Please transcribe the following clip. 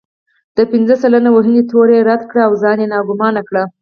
د پنځه سلنه وهنې تور يې رد کړ او ځان يې ناګومانه کړ.